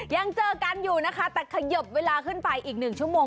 ยังเจอกันอยู่นะคะแต่ขยบเวลาขึ้นไปอีก๑ชั่วโมง